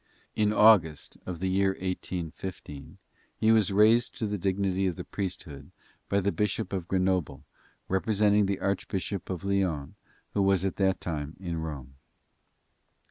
In August, of the year 1815, he was raised to the dignity of the priesthood by the bishop of Grenoble, representing the archbishop of Lyons, who was at that time in Rome.